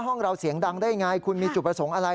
ห้องเราเสียงดังได้ไงคุณมีจุดประสงค์อะไร